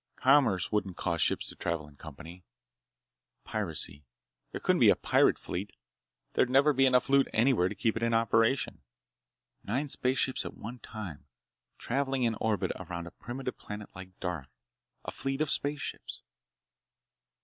Commerce wouldn't cause ships to travel in company. Piracy— There couldn't be a pirate fleet! There'd never be enough loot anywhere to keep it in operation. Nine spaceships at one time—traveling in orbit around a primitive planet like Darth—a fleet of spaceships.